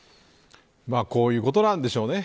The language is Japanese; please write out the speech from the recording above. まあこういうことなんでしょうね。